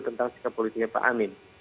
tentang sikap politiknya pak amin